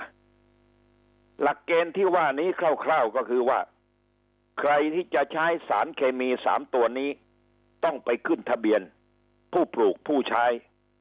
หลักเกณฑ์ที่ว่านี้คร่าวก็คือว่าใครที่จะใช้สารเคมี๓ตัวนี้ต้องไปขึ้นทะเบียนผู้ปลูกผู้ใช้